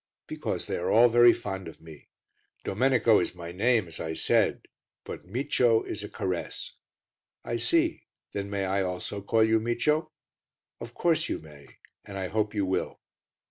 "Because they are all very fond of me. Domenico is my name as I said, but Micio is a caress." "I see; then may I also call you Micio?" "Of course you may, and I hope you will."